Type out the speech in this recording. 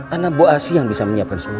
ada bu asyik yang bisa menyiapkan semuanya